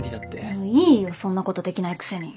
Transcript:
もういいよそんなことできないくせに。